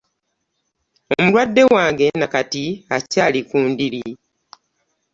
Omulwadde wange Nakati akyali ku ndiri!